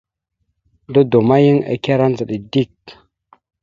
Dodo ma, yan ekará ndzəɗa dik.